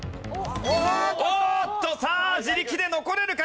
おーっとさあ自力で残れるか？